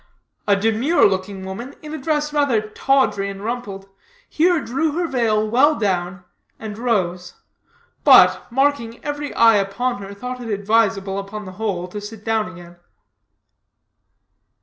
A demure looking woman, in a dress rather tawdry and rumpled, here drew her veil well down and rose; but, marking every eye upon her, thought it advisable, upon the whole, to sit down again.